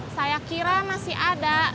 saya kira masih ada